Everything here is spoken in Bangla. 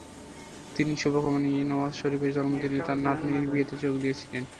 তিনি শুভকামনা নিয়েই নওয়াজ শরিফের জন্মদিনে তাঁর নাতনির বিয়েতে যোগ দিয়েছিলেন।